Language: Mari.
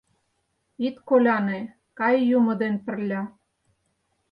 «Ит коляне, кае юмо ден пырля